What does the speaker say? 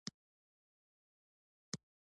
آیا کاناډا د مڼو صادرات نلري؟